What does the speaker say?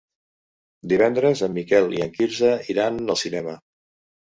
Divendres en Miquel i en Quirze iran al cinema.